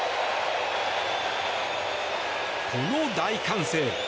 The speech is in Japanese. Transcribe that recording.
この大歓声。